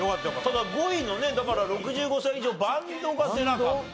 ただ５位のねだから６５歳以上バンドが出なかった。